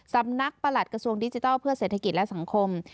ประหลัดกระทรวงดิจิทัลเพื่อเศรษฐกิจและสังคม